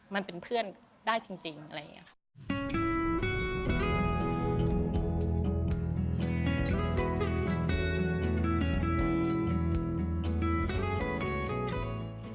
มันเป็นเพื่อนได้จริงอะไรอย่างนี้ค่ะ